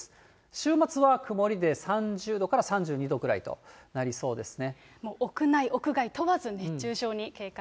週末は曇りで３０度から３２度ぐらいとなりそうですね。